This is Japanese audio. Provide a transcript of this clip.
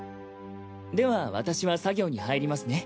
では私は作業に入りますね。